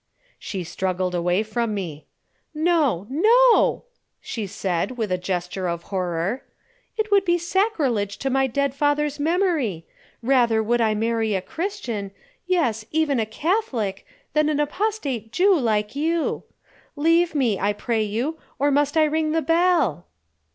She struggled away from me. "No, no," she said, with a gesture of horror. "It would be sacrilege to my dead father's memory. Rather would I marry a Christian, yes, even a Catholic, than an apostate Jew like you. Leave me, I pray you; or, must I ring the bell?"